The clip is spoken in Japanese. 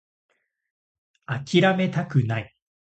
諦めたくない